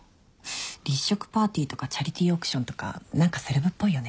立食パーティーとかチャリティーオークションとか何かセレブっぽいよね。